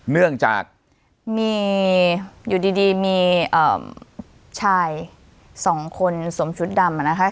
เนื่องจากมีอยู่ดีมีชายสองคนสวมชุดดำนะคะ